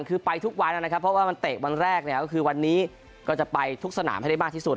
คือไปทุกวันนะครับเพราะว่ามันเตะวันแรกเนี่ยก็คือวันนี้ก็จะไปทุกสนามให้ได้มากที่สุด